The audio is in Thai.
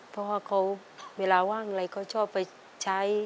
เพราะว่าเขาเวลาว่างอะไรเขาชอบไปใช้